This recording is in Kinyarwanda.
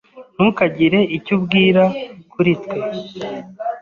Ntukagire icyo ubwira kuri twe.